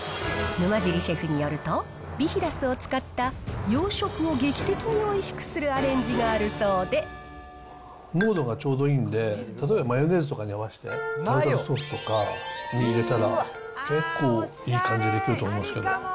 沼尻シェフによると、ビヒダスを使った洋食を劇的においしくするアレンジがあるそうで濃度がちょうどいいんで、例えばマヨネーズとかに合わせて、タルタルソースとかに入れたら、結構、いい感じにできると思いますよ、これ。